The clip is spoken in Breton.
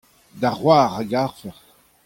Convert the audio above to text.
da c'hoar a garfec'h.